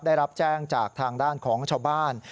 ได้รับแจ้งจากทางด้านของชาวบ้าน